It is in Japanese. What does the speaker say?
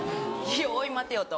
「おい待てよ」と。